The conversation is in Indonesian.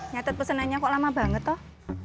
nyatet pesenannya kok lama banget toh